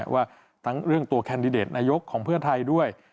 ว่าทั้งเรื่องตัวแคนดิเดตนายกของเพื่อไทยด้วย